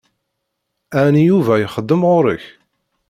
Ɛni Yuba ixeddem ɣur-k?